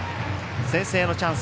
先制のチャンス